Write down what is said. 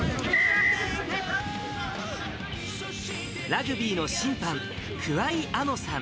ラグビーの審判、桑井亜乃さん